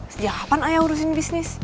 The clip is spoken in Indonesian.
sejak kapan ayah urusin bisnis